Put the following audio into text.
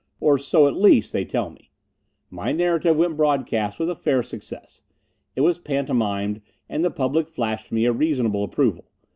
Or so, at least, they tell me. My narrative went broadcast with a fair success. It was pantomimed and the public flashed me a reasonable approval.